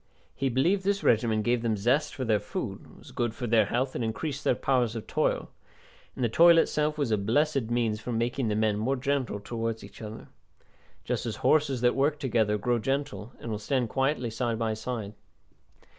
He believed this regimen gave them zest for their food, was good for their health, and increased their powers of toil; and the toil itself was a blessed means for making the men more gentle towards each other; just as horses that work together grow gentle, and will stand quietly side by side.